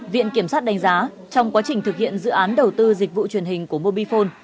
viện kiểm sát đánh giá trong quá trình thực hiện dự án đầu tư dịch vụ truyền hình của mobifone